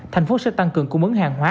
thành phố sẽ tăng cường cung ứng hàng hóa